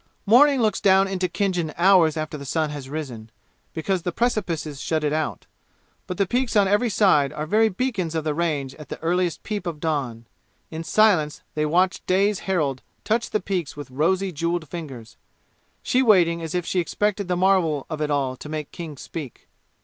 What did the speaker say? Morning looks down into Khinjan hours after the sun has risen, because the precipices shut it out. But the peaks on every side are very beacons of the range at the earliest peep of dawn. In silence they watched day's herald touch the peaks with rosy jeweled fingers she waiting as if she expected the marvel of it all to make King speak.